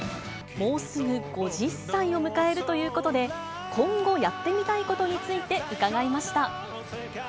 もうすぐ５０歳を迎えるということで、今後やってみたいことについて伺いました。